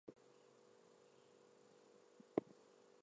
I don't feel that with this record.